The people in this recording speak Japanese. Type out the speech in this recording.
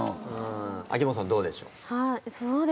秋元さんどうでしょう？